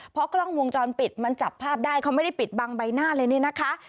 เพราะกล้องวงจรปิดมันจับภาพได้เขาไม่ได้ปิดบังใบหน้าเลยนี่นะคะ